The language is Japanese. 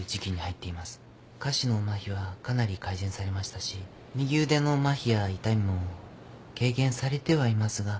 下肢のマヒはかなり改善されましたし右腕のマヒや痛みも軽減されてはいますが。